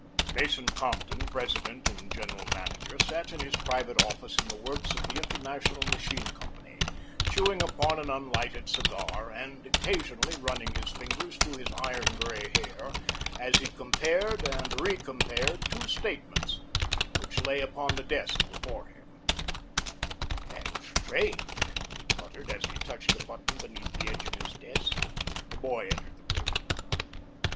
Mason Compton, president and general manager, sat in his private office in the works of the International Machine Company, chewing upon an unlighted cigar and occasionally running his fingers through his iron gray hair as he compared and recompared two statements which lay upon the desk before him. "Damn strange," he muttered as he touched a button beneath the edge of his desk. A boy entered the room.